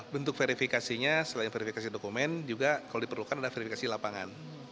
bentuk verifikasinya selain verifikasi dokumen juga kalau diperlukan ada verifikasi lapangan